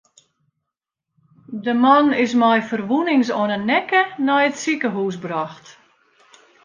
De man is mei ferwûnings oan de nekke nei it sikehûs brocht.